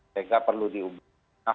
sehingga perlu diubah